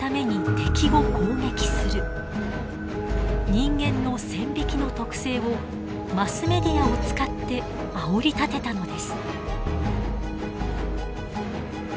人間の線引きの特性をマスメディアを使ってあおり立てたのです。